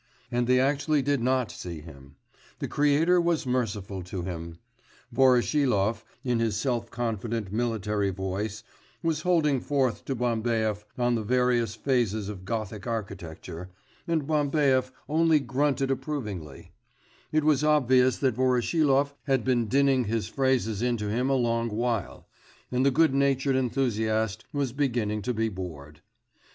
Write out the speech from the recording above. And they actually did not see him: the Creator was merciful to him. Voroshilov, in his self confident military voice, was holding forth to Bambaev on the various phases of Gothic architecture, and Bambaev only grunted approvingly; it was obvious that Voroshilov had been dinning his phrases into him a long while, and the good natured enthusiast was beginning to be bored.